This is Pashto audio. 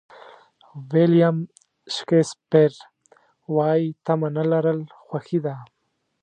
ویلیام شکسپیر وایي تمه نه لرل خوښي ده.